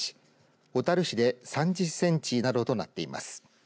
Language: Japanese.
小樽市で３０センチなどとなっています。